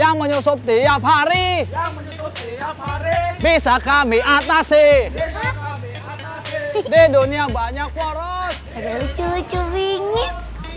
yang menyusup tiap hari bisa kami atasi di dunia banyak waras lucu lucu bingit